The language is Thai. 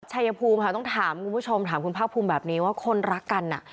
ชายภูมิค่ะต้องถามคุณผู้ชมถามคุณภาคภูมิแบบนี้ว่าคนรักกันอ่ะ